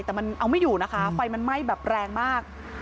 แต่มันเอาไม่อยู่นะคะไฟมันไหม้แบบแรงมาก